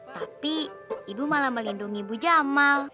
tapi ibu malah melindungi ibu jamal